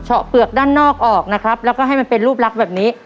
เปลือกด้านนอกออกนะครับแล้วก็ให้มันเป็นรูปลักษณ์แบบนี้